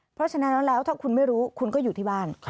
เพราะฉะนั้นแล้วถ้าคุณไม่รู้คุณก็อยู่ที่บ้าน